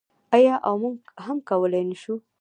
آیا او موږ هم کولی نشو؟